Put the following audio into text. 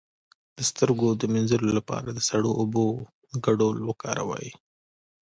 د سترګو د مینځلو لپاره د سړو اوبو ګډول وکاروئ